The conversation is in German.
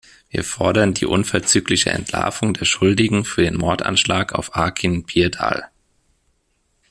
Wir fordern die unverzügliche Entlarvung der Schuldigen für den Mordanschlag auf Akin Birdal.